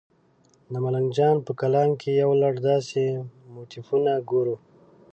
د ملنګ جان په کلام کې یو لړ داسې موتیفونه ګورو.